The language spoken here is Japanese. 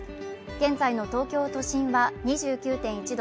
現在の東京都心は２９．１℃